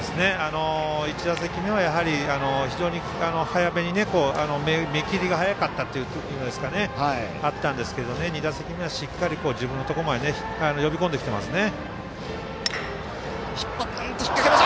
１打席目は非常に目きりが早かったというのがあったんですが２打席目は、しっかり自分のところまで呼び込んできていますね。